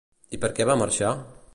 I per què va marxar?